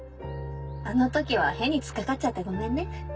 あの時は変に突っ掛かっちゃってごめんね。